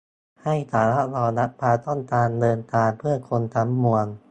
ให้สามารถรองรับความต้องการเดินทางเพื่อคนทั้งมวล